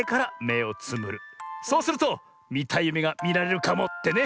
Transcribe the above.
そうするとみたいゆめがみられるかもってね。